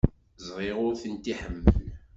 Ẓriɣ ur tent-iḥemmel.